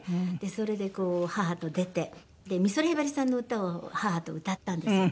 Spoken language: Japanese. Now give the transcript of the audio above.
それでこう母と出て美空ひばりさんの歌を母と歌ったんですよ。